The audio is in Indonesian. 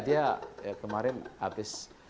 iya iya dia kemarin habis